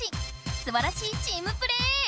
すばらしいチームプレー！